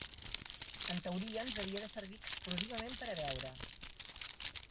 En teoria, ens havia de servir exclusivament per a beure